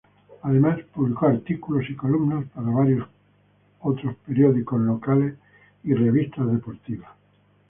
Además publicó artículos y columnas para varios otros periódicos locales y revistas deportivas.